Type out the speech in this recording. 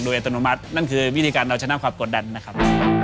โดยอัตโนมัตินั่นคือวิธีการเราชนะความกดดันนะครับ